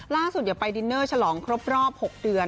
ล่าสุดอย่าไปดินเนอร์ฉลองครบ๖เดือน